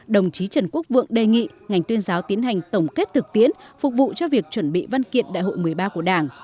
đồng chí trần quốc vượng đề nghị ngành tuyên giáo tiến hành tổng kết thực tiễn phục vụ cho việc chuẩn bị văn kiện đại hội một mươi ba của đảng